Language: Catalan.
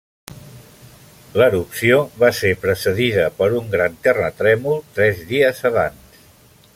L'erupció va ser precedida per un gran terratrèmol, tres dies abans.